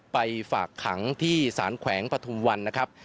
ไปฝากขังที่สารแขวงปฐุมวันนะครับ